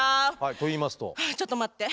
といいますと？はあちょっと待って。